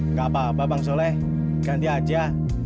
nggak apa apa bang soleh ganti aja